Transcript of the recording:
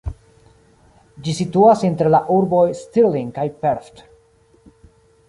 Ĝi situas inter la urboj Stirling kaj Perth.